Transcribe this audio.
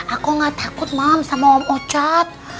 aku gak takut malam sama om ocat